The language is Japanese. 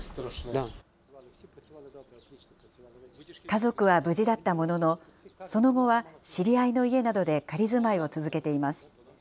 家族は無事だったものの、その後は知り合いの家などで仮住まいを続けています。